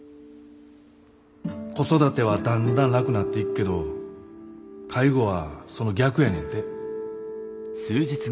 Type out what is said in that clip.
子育てはだんだん楽なっていくけど介護はその逆やねんて。